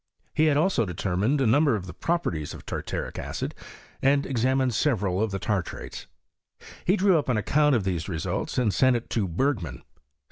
He had also determined a number of the properties of tartaric acid, and examined several of the tartrates. He drew up an account of them results, and sent it to Bergman.